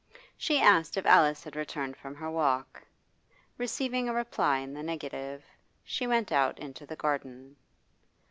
She asked if Alice had returned from her walk. Receiving a reply in the negative, she went out into the garden.